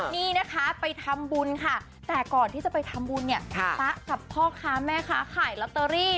นี่นะคะไปทำบุญค่ะแต่ก่อนที่จะไปทำบุญเนี่ยป๊ะกับพ่อค้าแม่ค้าขายลอตเตอรี่